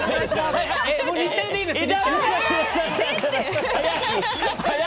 日テレでいいです。